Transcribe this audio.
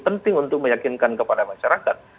penting untuk meyakinkan kepada masyarakat